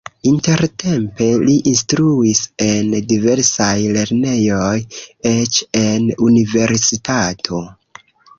Intertempe li instruis en diversaj lernejoj, eĉ en universitato.